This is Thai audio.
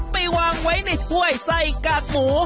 ไปวางไว้ในถ้วยใส่กากหมู